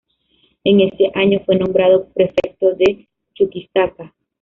En ese año fue nombrado prefecto de Chuquisaca.